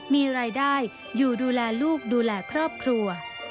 มีรายได้อยู่ดูแลลูกดูแลครอบครัว